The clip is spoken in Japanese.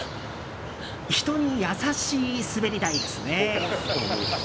人に優しい滑り台ですね。